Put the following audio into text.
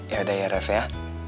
yaudah ya ref ya